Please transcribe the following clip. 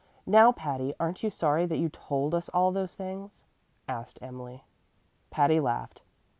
"Now, Patty, aren't you sorry that you told us all those things?" asked Emily. Patty laughed.